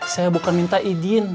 saya bukan minta izin